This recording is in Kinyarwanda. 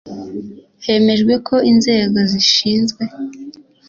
hemejwe ko inzego zishinzwe